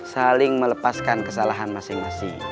saling melepaskan kesalahan masing masing